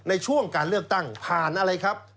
ในช่วงการเลือกตั้งผ่านอะไรครับ